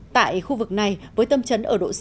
tại khu vực này trận động đất thứ hai mạnh sáu độ richter